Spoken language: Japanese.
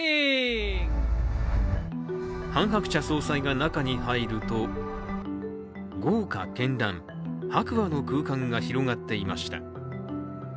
ハン・ハクチャ総裁が中に入ると、豪華絢爛、白亜の空間が広がっていました。